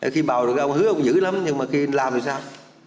khi bào được ông hứa ông dữ lắm nhưng mà khi làm thì sao